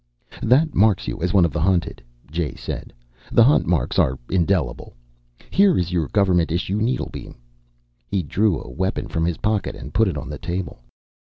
"That marks you as one of the Hunted," Jay said. "The hunt marks are indelible. Here is your government issue needlebeam." He drew a weapon from his pocket and put it on the table.